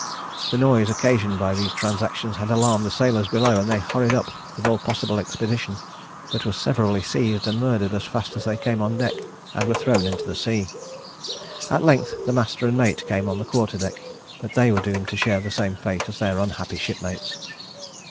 The noise occasioned by these transactions had alarmed the sailors below, and they hurried up with all possible expedition; but were severally seized and murdered as fast as they came on deck, and were thrown into the sea. At length the master and mate came on the quarter deck; but they were doomed to share the same fate as their unhappy shipmates.